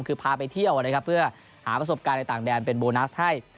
คือพาไปเที่ยวนะครับเพื่อหาประสบการณ์ในต่างแดนเป็นโบนัสให้